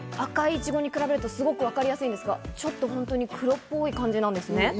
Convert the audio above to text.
上の赤いいちごに比べるとわかりやすいんですが、ちょっと黒っぽい感じなんですね。